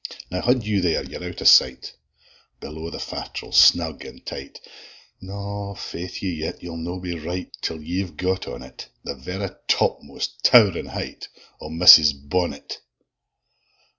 Now haud you there, ye're out o' sight, Below the fatt'rels, snug and tight; Na, faith ye yet! ye'll no be right, Till ye've got on it The verra tapmost, tow'rin height O' Miss' bonnet.